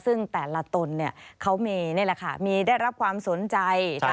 ซึ่งแต่ละตนเนี่ยเขามีได้รับความสนใจ